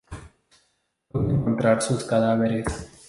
Logra encontrar sus cadáveres.